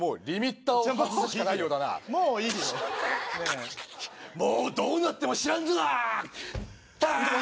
ぷち、もうどうなっても知らんぞ。